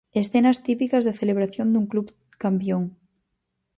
Escenas típicas da celebración dun club campión.